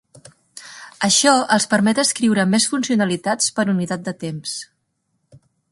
Això els permet escriure més funcionalitats per unitat de temps.